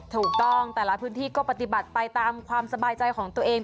ถูกต้องแต่ละพื้นที่ก็ปฏิบัติไปตามความสบายใจของตัวเอง